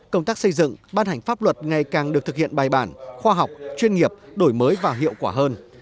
công tác xây dựng ban hành pháp luật ngày càng được thực hiện bài bản khoa học chuyên nghiệp đổi mới và hiệu quả hơn